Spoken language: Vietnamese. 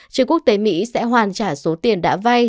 trường quốc tế mỹ sẽ hoàn trả số tiền đã vay